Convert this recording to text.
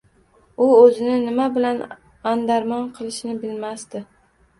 U o’zini nima bilan andarmon qilishini bilmasdi.